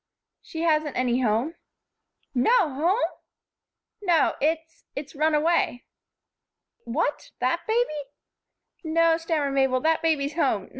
"She hasn't any home." "No home!" "No. It's it's run away." "What! That baby?" "No," stammered Mabel, "that baby's home.